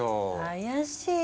怪しい。